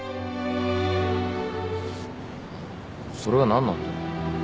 それが何なんだよ。